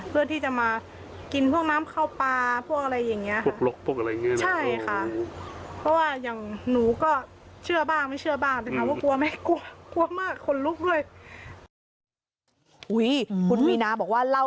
เพื่อที่จะมากินพวกน้ำเข้าปลาพวกอะไรอย่างนี้